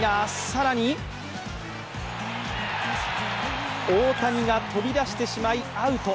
更に大谷が飛び出してしまい、アウト。